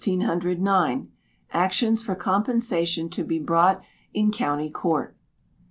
Actions for Compensation to be brought in County Court.